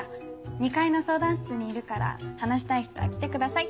２階の相談室にいるから話したい人は来てください。